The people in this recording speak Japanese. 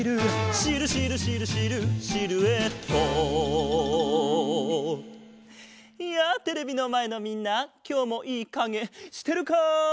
「シルシルシルシルシルエット」やあテレビのまえのみんなきょうもいいかげしてるか？